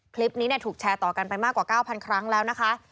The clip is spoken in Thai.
คลิปนี้ถูกแชร์ต่อกันไปมากกว่า๙๐๐ครั้งแล้วนะคะ